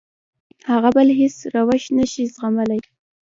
هغه بل هېڅ روش نه شي زغملی.